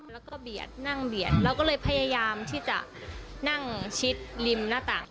แล้วก็เบียดนั่งเบียดเราก็เลยพยายามที่จะนั่งชิดริมหน้าต่าง